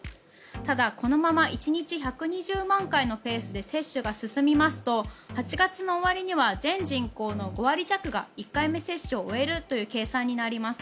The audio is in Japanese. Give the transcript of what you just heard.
ただ、このまま１日１２０万回のペースで接種が進みますと８月の終わりには全人口の５割弱が１回目接種を終えるという計算になります。